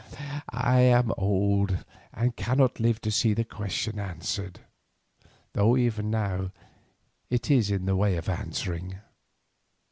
I am old and cannot live to see the question answered, though even now it is in the way of answering.